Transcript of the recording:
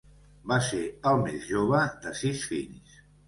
Va ser el més jove de sis fills.